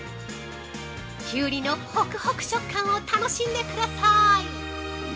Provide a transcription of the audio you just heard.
キュウリのホクホク食感を楽しんでくださーい！